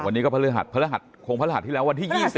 วันนี้ก็พระฤหัสพระรหัสคงพระหัสที่แล้ววันที่๒๐